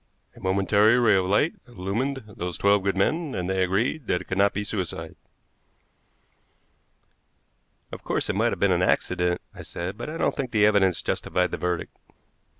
"A momentary ray of light illumined those twelve good men, and they agreed that it could not be suicide." "Of course it might have been an accident," I said, "but I don't think the evidence justified the verdict."